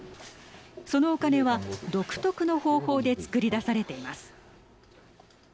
そのお金は独特の方法で作り出されています。